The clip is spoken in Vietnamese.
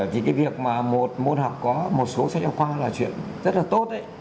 thì cái việc mà một môn học có một số sách giáo khoa là chuyện rất là tốt